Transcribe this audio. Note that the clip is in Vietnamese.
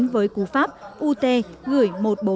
với cú pháp ut gửi một trăm bốn mươi